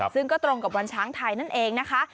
ซึ่งก็ตรงกับวันช้างไทยนั่นเองนะคะ